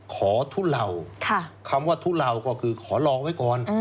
ทุเลาคำว่าทุเลาก็คือขอลองไว้ก่อน